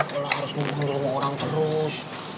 kalau harus ngomong sama orang terus